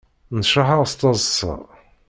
Nnecraḥeɣ s teḍṣa.